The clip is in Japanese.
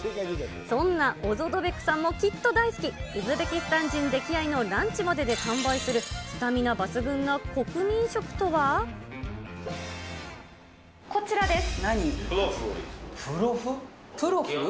そんなオゾドベクさんもきっと大好き、ウズベキスタン人溺愛のランチまでで完売するスタミナ抜群の国民食とは。こちらです。